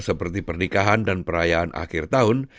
seperti pernikahan dan perayaan akhir tahun